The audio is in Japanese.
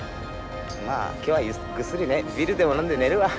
まあ今日はぐっすりねビールでも飲んで寝るわ。